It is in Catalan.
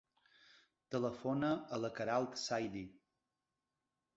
Telefona a la Queralt Saidi.